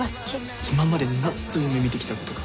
今までに何度夢見てきたことか。